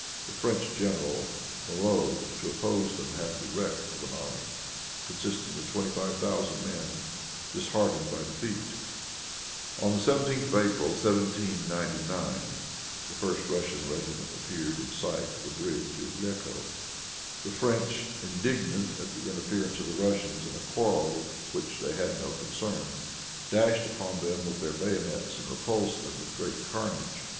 The French general, Moreau, to oppose them, had the wreck of an army, consisting of twenty five thousand men, disheartened by defeat. On the 17th of April, 1799, the first Russian regiment appeared in sight of the bridge of Lecco. The French, indignant at the interference of the Russians in a quarrel with which they had no concern, dashed upon them with their bayonets, and repulsed them with great carnage.